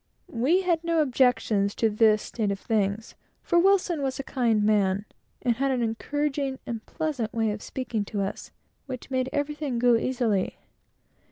We had no objections to this state of things, for Wilson was a kind old man, and had an encouraging and pleasant way of speaking to us, which made everything go easily.